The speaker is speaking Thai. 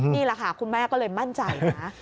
นี่แหละค่ะคุณแม่ก็เลยมั่นใจนะ